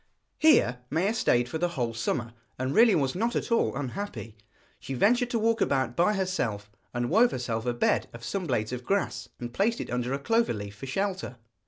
Here Maia stayed for the whole summer, and really was not at all unhappy. She ventured to walk about by herself, and wove herself a bed of some blades of grass, and placed it under a clover leaf for shelter.